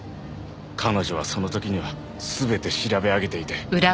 彼女はその時には全て調べ上げていて。